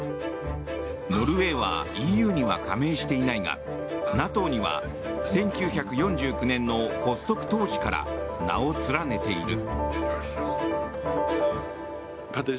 ノルウェーはＥＵには加盟していないがＮＡＴＯには１９４９年の発足当時から名を連ねている。